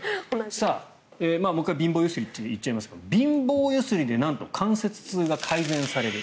僕は貧乏揺すりって言っちゃいますけど貧乏揺すりでなんと関節痛が改善される。